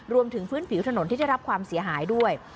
พื้นผิวถนนที่ได้รับความเสียหายด้วย